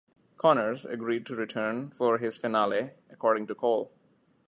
Connors agreed to return for his finale, according to Cole.